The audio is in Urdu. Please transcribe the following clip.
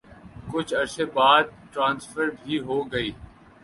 کچھ عرصے بعد ٹرانسفر بھی ہو گئی۔